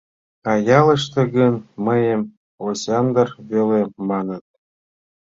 А ялыште гын мыйым Осяндр веле маныт.